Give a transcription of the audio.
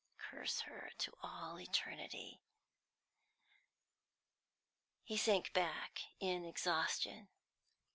Curse her to all eternity!" He sank beck in exhaustion.